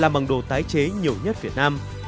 làm bằng đồ tái chế nhiều nhất việt nam